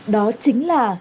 đó chính là